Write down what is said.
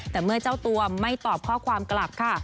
แต่เมื่อเจ้าตัวไม่ตอบข้อความกลับค่ะ